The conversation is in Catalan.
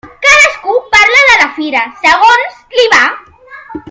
Cadascú parla de la fira segons li va.